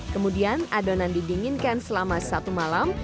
kemudian adonan didinginkan selama satu malam